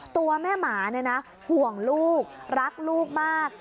ตัวแม่หมาห่วงลูกรักลูกมาก